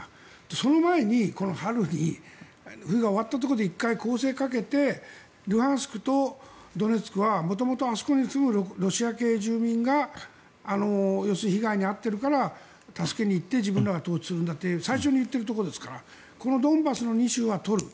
その前に、この春に冬が終わったところで１回攻勢をかけてルハンシクとドネツクは元々、あそこにロシア系住民が要するに被害に遭っているから助けに行って自分たちが統治をするんだって最初に言ってるところですからドンバスの２州は取ると。